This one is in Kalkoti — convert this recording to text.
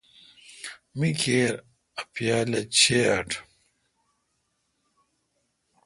می کیر اؘ پیالہ چیں اوٹ۔